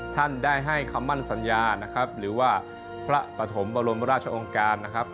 ท่านได้ให้คำมั่นสัญญานะครับหรือว่าพระปฐมบรมราชองค์การนะครับ